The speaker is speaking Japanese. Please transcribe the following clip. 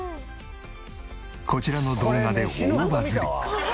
こちらの動画で大バズり。